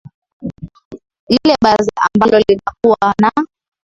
lile baraza ambalo linakuwa na